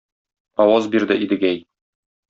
Аваз бирде Идегәй: